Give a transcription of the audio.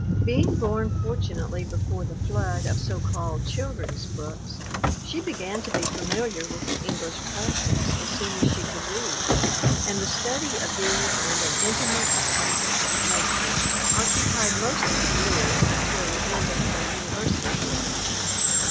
Being born fortunately before the flood of so called children's books, she began to be familiar with the English classics as soon as she could read, and the study of these and an intimate acquaintance with nature occu pied most of the years until the end of her university work.